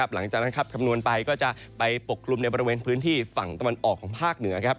คำนวณไปก็จะไปปกกลุ่มในบริเวณพื้นที่ฝั่งตะวันออกของภาคเหนือ